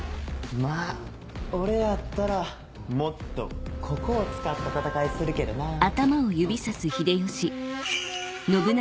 まぁ俺やったらもっとここを使った戦いするけどなぁ。